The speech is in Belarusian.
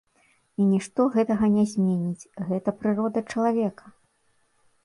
І нішто гэтага не зменіць, гэта прырода чалавека.